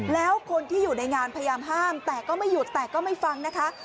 แล้วคนที่อยู่ในงานพยายามห้ามแต่ก็ไม่หยุดแต่ก็ไม่ฟังนะคะ